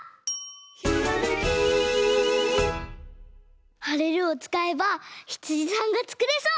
「ひらめき」「はれる」をつかえばヒツジさんがつくれそう！